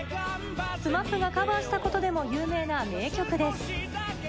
ＳＭＡＰがカバーしたことでも有名な名曲です。